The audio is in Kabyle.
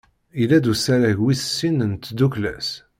Yella-d usarag wis sin n tdukkla-a.